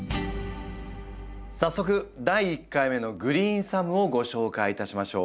早速第１回目のグリーンサムをご紹介いたしましょう。